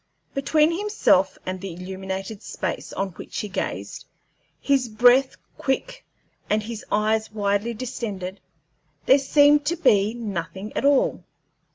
Between himself and the illuminated space on which he gazed his breath quick and his eyes widely distended there seemed to be nothing at all.